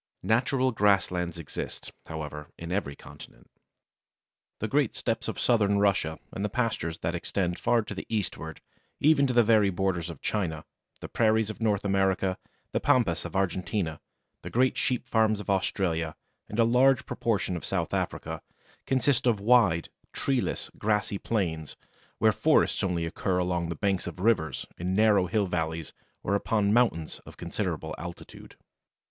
Natural grasslands exist, however, in every continent. The great Steppes of Southern Russia and the pastures that extend far to the eastward even to the very borders of China, the Prairies of North America, the Pampas of Argentina, the great sheep farms of Australia, and a large proportion of South Africa, consist of wide, treeless, grassy plains, where forests only occur along the banks of rivers, in narrow hill valleys, or upon mountains of considerable altitude.